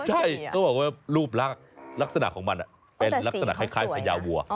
ใช่เขาบอกว่ารูปลักษณะของมันเป็นลักษณะคล้ายพญาวัว